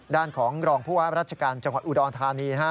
ด้านของรองผู้ว่าราชการจังหวัดอุดรธานี